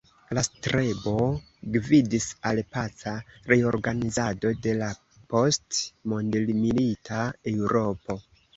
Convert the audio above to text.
La strebo gvidis al paca reorganizado de la post-mondmilita Eŭropo.